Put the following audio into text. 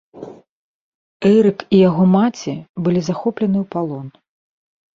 Эрык і яго маці былі захоплены ў палон.